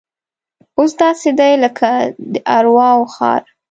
اوس داسې دی لکه د ارواو ښار.